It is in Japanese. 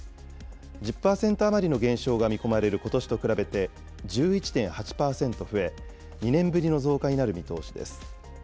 １０％余りの減少が見込まれることしと比べて、１１．８％増え、２年ぶりの増加になる見通しです。